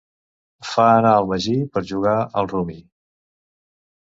Fa anar el magí per jugar al rummy.